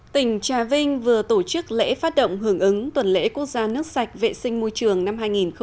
tỉnh trà vinh vừa tổ chức lễ phát động hưởng ứng tuần lễ quốc gia nước sạch vệ sinh môi trường năm hai nghìn hai mươi